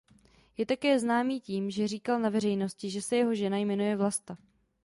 Je také známý tím že říkal na veřejnosti že se jeho žena jmenuje Vlasta.